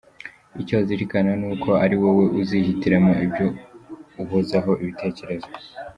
Icyo wazirikana ni uko ari wowe uzihitiramo ibyo uhozaho ibitekerezo.